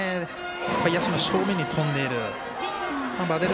野手の正面に飛んでいる。